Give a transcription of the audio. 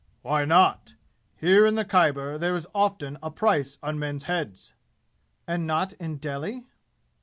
"Why not? Here in the Khyber there is often a price on men's heads!" "And not in Delhi?"